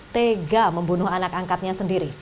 tega membunuh anak angkatnya sendiri